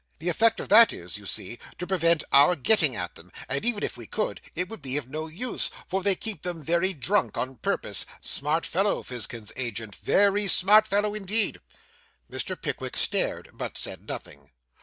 'The effect of that is, you see, to prevent our getting at them; and even if we could, it would be of no use, for they keep them very drunk on purpose. Smart fellow Fizkin's agent very smart fellow indeed.' Mr. Pickwick stared, but said nothing.